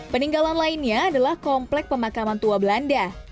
peninggalan lainnya adalah komplek pemakaman tua belanda